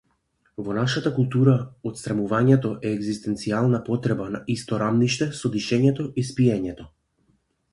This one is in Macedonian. Во нашата култура, отсрамувањето е егзистенцијална потреба на исто рамниште со дишењето и спиењето.